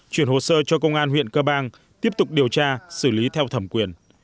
chuyển hồ sơ cho công an huyện cơ bang tiếp tục điều tra xử lý theo thẩm quyền